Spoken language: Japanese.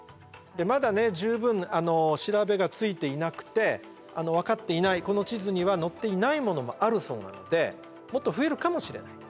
まだね十分調べがついていなくて分かっていないこの地図には載っていないものもあるそうなのでもっと増えるかもしれない。